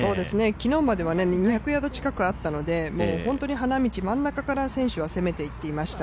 昨日までは２００ヤード近くあったのでもう本当に花道真ん中から選手は攻めていってました。